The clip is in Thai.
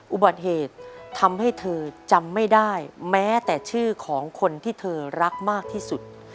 อุบัติเหตุทำให้เธอจำไม่ได้แม้แต่ชื่อของคนที่เธอรักมากที่สุด